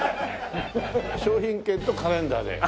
商品券とカレンダーで。